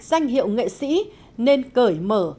danh hiệu nghệ sĩ nên cởi mở